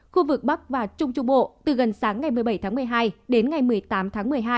khu vực bắc và trung trung bộ từ gần sáng ngày một mươi bảy tháng một mươi hai đến ngày một mươi tám tháng một mươi hai